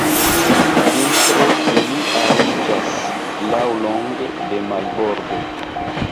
Vintre ili ariĝas laŭlonge de marbordo.